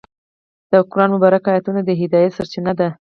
د قرآن مبارکه آیتونه د هدایت سرچینه دي.